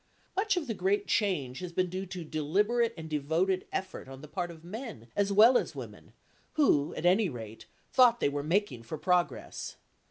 Much of the great change has been due to deliberate and devoted effort on the part of men as well as women, who, at any rate, thought they were making for progress.